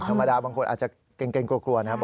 บางคนอาจจะเกรงกลัวนะครับ